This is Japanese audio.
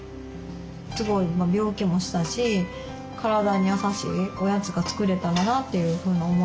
病気もしたし体に優しいおやつが作れたらなというふうな思いもあります。